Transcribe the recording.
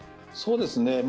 そうですね。